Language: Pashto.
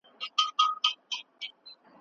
د خلګو په منځ کي مينه او ورورولي بايد خپره سي.